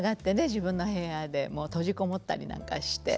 自分の部屋でもう閉じこもったりなんかして。